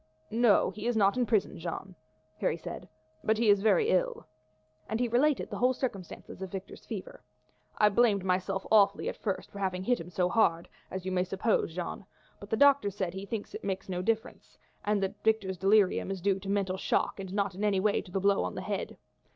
"No, he is not in prison, Jeanne," Harry said, "but he is very ill." And he related the whole circumstances of Victor's fever. "I blamed myself awfully at first for having hit him so hard, as you may suppose, Jeanne; but the doctor says he thinks it made no difference, and that Victor's delirium is due to the mental shock and not in any way to the blow on the head.